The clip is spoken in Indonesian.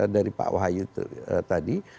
dari pak wahyu tadi